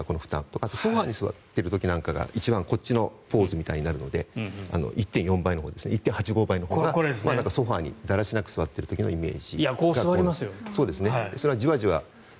あとはソファに座っている時なんかは一番こっちのポーズみたいになるので１．８５倍のソファにだらしなく座っている時のイメージ。